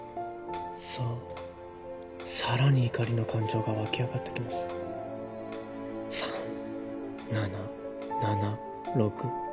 そう更に怒りの感情が沸き上がってき３７７６。